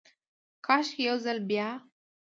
کاشکي ، یو ځلې بیا،